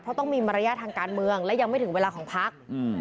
เพราะต้องมีมารยาททางการเมืองและยังไม่ถึงเวลาของพัก